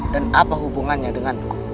dan apa hubungannya denganku